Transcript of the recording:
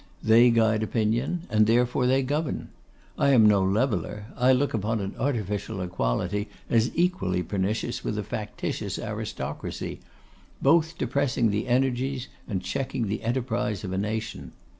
They guide opinion; and, therefore, they govern. I am no leveller; I look upon an artificial equality as equally pernicious with a factitious aristocracy; both depressing the energies, and checking the enterprise of a nation.